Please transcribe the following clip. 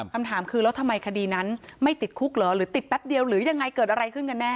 คำถามคือแล้วทำไมคดีนั้นไม่ติดคุกเหรอหรือติดแป๊บเดียวหรือยังไงเกิดอะไรขึ้นกันแน่